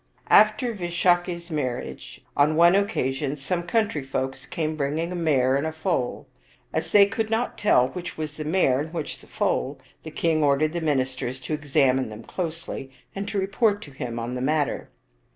After Visakha's marriage, on one occasion some coun try folks came bringing a mare and her foal. As they could not tell which was the mare and which the foal, the king ordered the ministers to examine them closely, and to report to him on the matter.